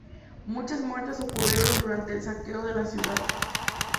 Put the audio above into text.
Muchas muertes ocurrieron durante el saqueo de la ciudad.